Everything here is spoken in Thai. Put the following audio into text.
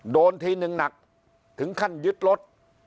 โดนทีนึงหนักถึงขั้นยึดรถ